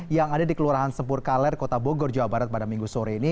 yang ada di kelurahan sempur kaler kota bogor jawa barat pada minggu sore ini